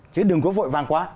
chứ đừng có vội vàng quá